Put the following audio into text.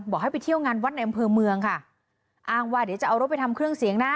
บอกให้ไปเที่ยวงานวัดในอำเภอเมืองค่ะอ้างว่าเดี๋ยวจะเอารถไปทำเครื่องเสียงนะ